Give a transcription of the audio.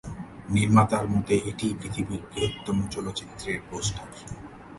নির্মাতার মতে এটিই পৃথিবীর বৃহত্তম চলচ্চিত্রের পোস্টার।